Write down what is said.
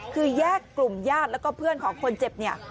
คือแยกกลุ่มญาติแล้วก็เพื่อนของคนเจ็บเนี่ย